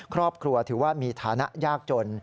ครอบครัวถือว่ามีฐานะยากจน